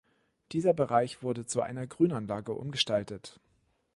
Dieser Bereich wurde zu einer Grünanlage umgestaltet.